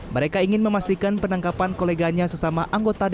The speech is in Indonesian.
mereka ingin memastikan penangkapan koleganya sesama anggota dpr